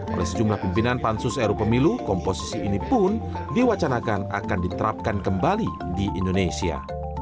oleh sejumlah pimpinan pansus ru pemilu komposisi ini pun diwacanakan akan diterapkan kembali di indonesia